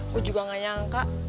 gue juga nggak nyangka